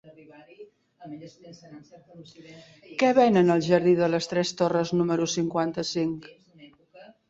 Què venen al jardí de les Tres Torres número cinquanta-cinc?